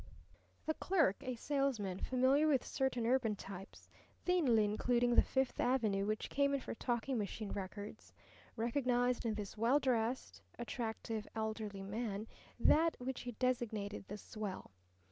The clerk a salesman familiar with certain urban types, thinly including the Fifth Avenue, which came in for talking machine records recognized in this well dressed, attractive elderly man that which he designated the swell.